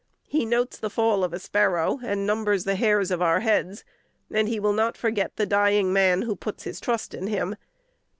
He notes the fall of a sparrow, and numbers the hairs of our heads; and he will not forget the dying man who puts his trust in him.